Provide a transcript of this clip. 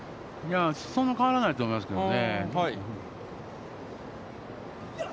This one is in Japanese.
そんなに変わらないと思いますけどね。